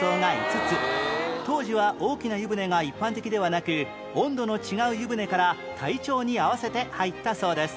当時は大きな湯船が一般的ではなく温度の違う湯船から体調に合わせて入ったそうです